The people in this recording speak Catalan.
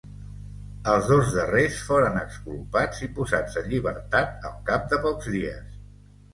Els dos darrers foren exculpats i posats en llibertat al cap de pocs dies.